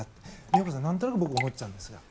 京さん、なんとなく僕思っちゃうんですが。